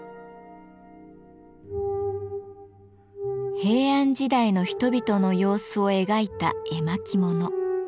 平安時代の人々の様子を描いた絵巻物。